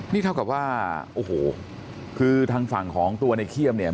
นี่เท่ากับว่าโอ้โหคือทางฝั่งของตัวในเขี้ยมเนี่ย